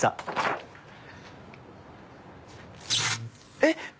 えっ！？